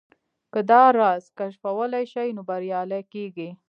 که دا راز کشفولای شئ نو بريالي کېږئ.